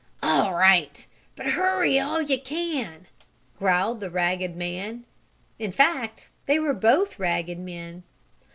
"All right, but hurry all you can!" growled the ragged man in fact they were both ragged men.